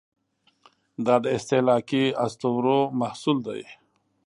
دا د استهلاکي اسطورو محصول دی.